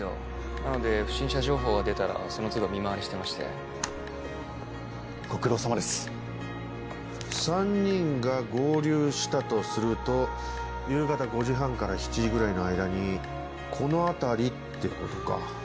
なので不審者情報が出たらその都度ご苦労さまです３人が合流したとすると夕方５時半から７時ぐらいの間にこの辺りってことか。